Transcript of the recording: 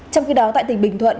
trong khi đó tại tỉnh bình thuận